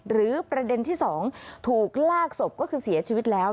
ประเด็นที่๒ถูกลากศพก็คือเสียชีวิตแล้ว